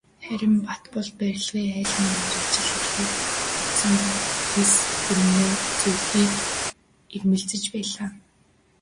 Харин Батболд барилгын аль нэг мэргэжил олохыг бодсонгүй, тэс өмнөө зүйлийг эрмэлзэж байлаа.